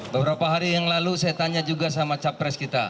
beberapa hari yang lalu saya tanya juga sama capres kita